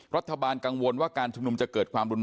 วัฒนฐาบันกลางวนว่าการฝึกจามลุงจะเกิดความนรุนแรง